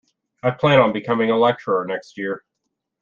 I plan on becoming a lecturer next year.